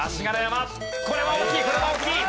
これは大きいこれは大きい。